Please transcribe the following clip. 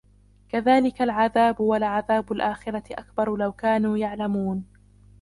كذلك العذاب ولعذاب الآخرة أكبر لو كانوا يعلمون